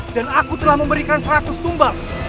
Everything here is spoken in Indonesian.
dan aku telah memberikan seratus tumbal